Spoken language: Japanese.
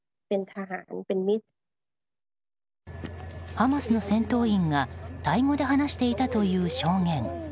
ハマスの戦闘員がタイ語で話していたという証言。